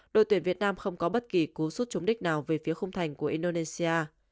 đội tuyển việt nam không có bất kỳ cú sút chống đích nào về phía khung thành của indonesia